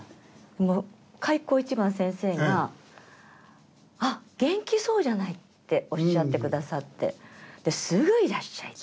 もう開口一番先生が「あっ元気そうじゃない」っておっしゃってくださって「すぐいらっしゃい」って。